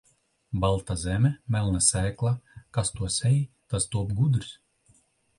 Balta zeme, melna sēkla, kas to sēj, tas top gudrs.